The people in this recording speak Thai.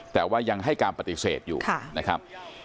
แต่ว่ายังให้การปฏิเสธอยู่นะครับ